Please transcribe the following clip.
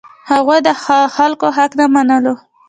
هغوی د خلکو حق نه منلو.